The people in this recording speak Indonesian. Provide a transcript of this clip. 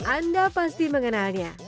anda pasti mengenalnya